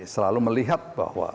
selalu melihat bahwa